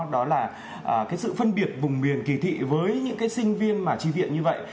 đó là cái sự phân biệt vùng miền kỳ thị với những cái sinh viên mà chi viện như vậy